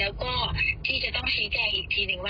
แล้วก็ที่จะต้องชี้แจงอีกทีหนึ่งว่า